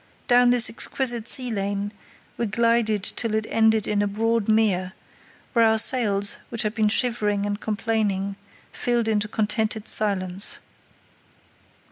Down this exquisite sea lane we glided till it ended in a broad mere, where our sails, which had been shivering and complaining, filled into contented silence.